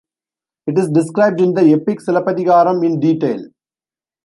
It is described in the epic Cilapatikaram in detail.